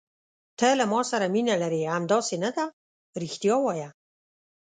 ته له ما سره مینه لرې، همداسې نه ده؟ رښتیا وایه.